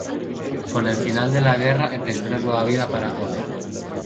Con el final de la guerra empezó una nueva vida para Ode.